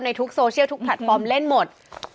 ทุกโซเชียลทุกแพลตฟอร์มเล่นหมด